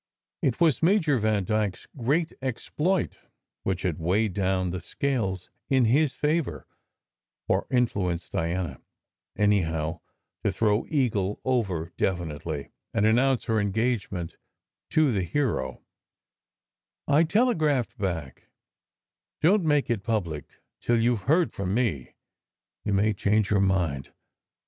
It was Major Vandyke s great exploit which had weighed down the scales in his fa vour, or influenced Diana, anyhow, to throw Eagle over definitely, and announce her engagement to the "hero/* I telegraphed back, "Don t make it public till you ve heard from me. You may change your mind."